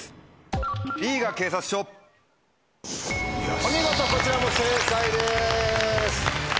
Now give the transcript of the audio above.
お見事こちらも正解です！